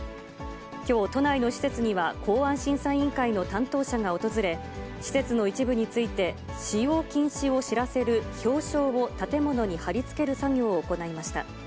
きょう、都内の施設には、公安審査委員会の担当者が訪れ、施設の一部について、使用禁止を知らせる標章を建物に貼り付ける作業を行いました。